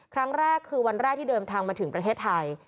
ครั้งแรกคือวันแรกที่เดินทางมาถึงประเทศไทย